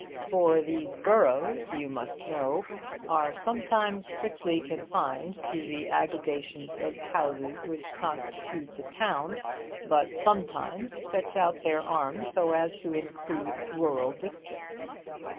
For these boroughs, you must know, are sometimes strictly confined to the aggregations of houses which constitute the town, but sometimes stretch out their arms so as to include rural districts.